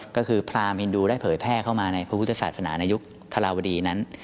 ก็คือพราหมณ์ฮินดูได้เผยแพร่เข้ามาในภูตศาสตร์ศนาในยุคธรรมดีนั้น